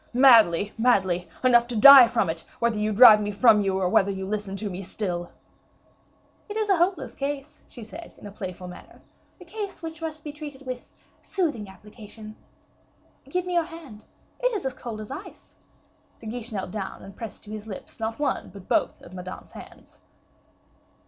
"Madly; madly enough to die from it, whether you drive me from you, or whether you listen to me still." "It is a hopeless case," she said, in a playful manner; "a case which must be treated with soothing application. Give me your hand. It is as cold as ice." De Guiche knelt down, and pressed to his lips, not one, but both of Madame's hands.